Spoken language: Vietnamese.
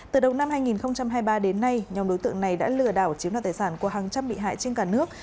từ đầu năm hai nghìn hai mươi ba đến nay nhóm đối tượng này đã lừa đảo chiếm đoạt tài sản của hàng trăm bị hại trên cả nước